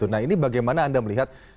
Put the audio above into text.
nah ini bagaimana anda melihat